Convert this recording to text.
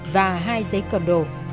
và hai giấy cầm đồ